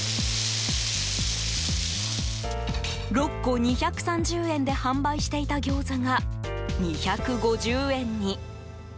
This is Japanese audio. ６個２３０円で販売していたギョーザが２５０円に。